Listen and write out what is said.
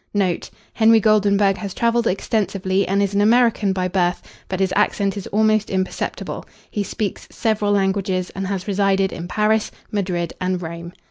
NOTE. Henry Goldenburg has travelled extensively, and is an American by birth, but his accent is almost imperceptible. He speaks several languages, and has resided in Paris, Madrid, and Rome.